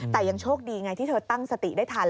แต่ยังโชคดีไงที่เธอตั้งสติได้ทัน